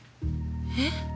えっ。